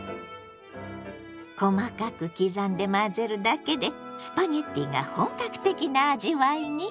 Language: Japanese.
細かく刻んで混ぜるだけでスパゲッティが本格的な味わいに。